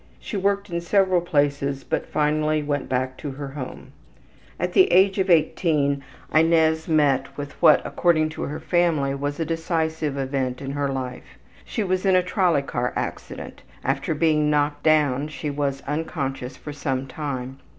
She worked in several places, but finally went back to her home. At the age of 18 Inez met with what, according to her family, was a decisive event in her life. She was in a trolley car accident; after being knocked down she was unconscious for some time.